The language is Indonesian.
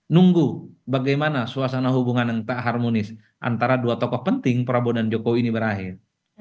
nunggu bagaimana suasana hubungan yang tak harmonis antara dua tokoh penting prabowo dan jokowi ini berakhir